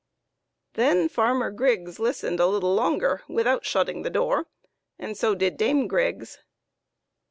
Then Farmer Griggs listened a little longer without shutting the door, and so did Dame Griggs.